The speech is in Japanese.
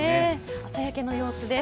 朝焼けの様子です。